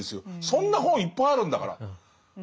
そんな本いっぱいあるんだから。